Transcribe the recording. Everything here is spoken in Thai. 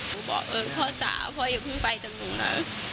บอกเออพ่อจ๋าพ่ออย่าเพิ่งไปจากหนูนะ